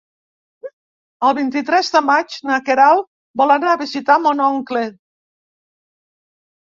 El vint-i-tres de maig na Queralt vol anar a visitar mon oncle.